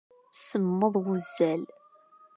Semmeḍ wuzal.